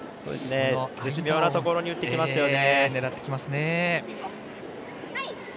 絶妙なところに打ってきますよね。